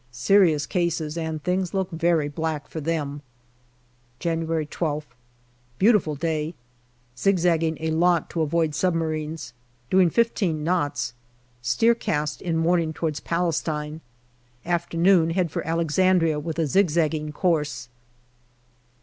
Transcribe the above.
Serious cases, and things look very black for them. January 12th. Beautiful day. Zigzagging a lot to avoid submarines. Doing fifteen knots. Steer east in morning towards Pales tine. Afternoon, head for Alexandria with a zigzagging course.